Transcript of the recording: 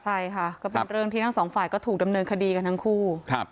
ใช่ค่ะก็เป็นเรื่องที่ทั้งสองฝ่ายก็ถูกดำเนินคดีกันทั้งคู่